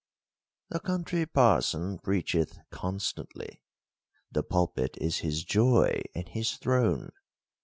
The Country Parson preacheth constantly. The pulpit is his joy and his throne.